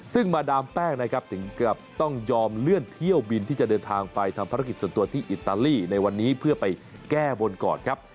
ซึ่งมาดามแป้งนะครับถึงกับต้องยอมเลื่อนเที่ยวบินที่จะเดินทางไปทำภารกิจส่วนตัวที่อิตาลีในวันนี้เพื่อไปแก้บนก่อนครับ